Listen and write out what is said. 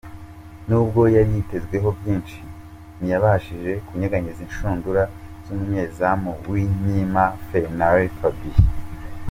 Nubwo yari yitezweho byinshi ntiyabashije kunyeganyeza inshundura z’umunyezamu w’inkima, Farnolle Fabien.